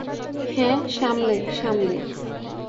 হ্যাঁ, সামলে, সামলে।